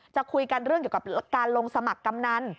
จะคุยกันเรื่องเกี่ยวกับการลงสมัครกำนัน